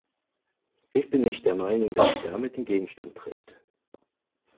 Ich bin nicht der Meinung, dass sie damit den Gegenstand trifft.